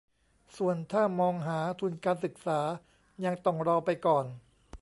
ส่วนถ้ามองหาทุนการศึกษายังต้องรอไปก่อน